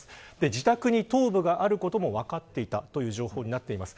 自宅に頭部があることも分かっていたという情報になっています。